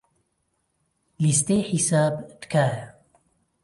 لیستەی حساب، تکایە.